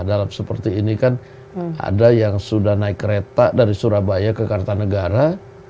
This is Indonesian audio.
dalam seperti ini kan ada yang sudah naik kereta dari surabaya ke kartanegara